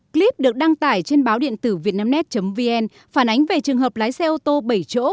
clip được đăng tải trên báo điện tử vietnamnet vn phản ánh về trường hợp lái xe ô tô bảy chỗ